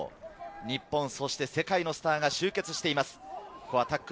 日本、そして世界のスターが集結しています。